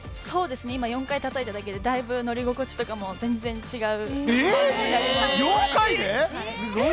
今４回たたいただけでだいぶ乗り心地とかも全然違う感じになります。